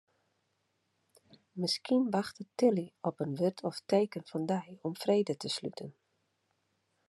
Miskien wachtet Tilly op in wurd of teken fan dy om frede te sluten.